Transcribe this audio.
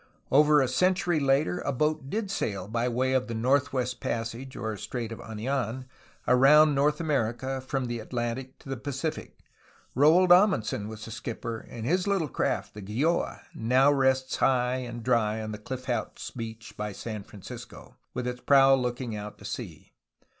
Over a century later a boat did sail by way of the "Northwest Passage," or "Strait of Anidn," around North America from the Atlantic to the Pacific. Roald Amundsen was the skip per, and his little craft, the Gjoaj now rests high and dry on the Cliff House Beach by San Francisco, with its prow look ing out to sea.